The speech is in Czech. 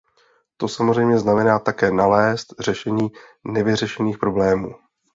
To samozřejmě znamená také nalézt řešení nevyřešených problémů.